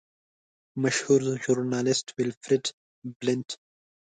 مشهور ژورنالیسټ ویلفریډ بلنټ.